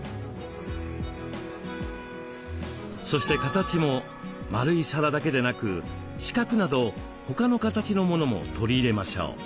そして形も丸い皿だけでなく四角など他の形のものも取り入れましょう。